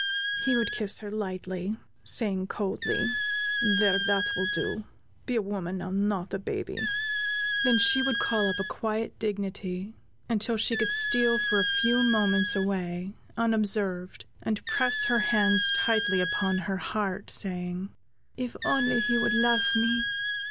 He would kiss her lightly, saying, coldly: "There, that will do; be a woman now, not a baby." Then she would call up a quiet dignity, until she could steal for a few moments away, unobserved, and press her hands tightly upon her heart, saying: "If he would only love me!